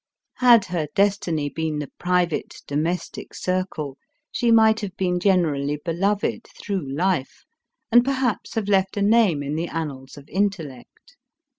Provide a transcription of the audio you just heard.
Had her destiny been the private, domestic circle, she might have been generally beloved through life, and perhaps have loft a name in the annals of in* tellect.